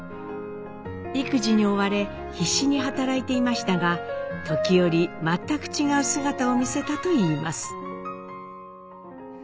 育児に追われ必死に働いていましたが時折全く違う姿を見せたといいます。